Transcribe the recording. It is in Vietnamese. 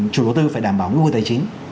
chủ đầu tư phải đảm bảo nguyên vụ tài chính